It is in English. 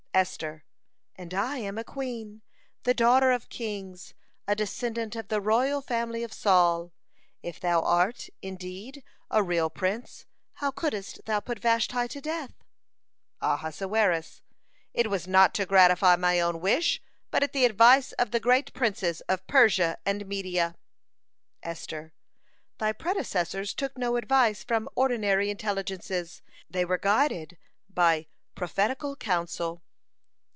Esther: "And I am a queen, the daughter of kings, a descendant of the royal family of Saul. If thou art, indeed, a real prince, how couldst thou put Vashti to death?" Ahasuerus: "It was not to gratify my own wish, but at the advice of the great princes of Persia and Media." Esther: "Thy predecessors took no advice from ordinary intelligences; they were guided by prophetical counsel.